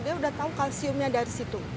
dia sudah tahu kalsiumnya dari situ